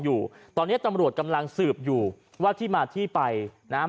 อยู่ตอนนี้ตำรวจกำลังสืบอยู่ว่าที่มาที่ไปนะฮะ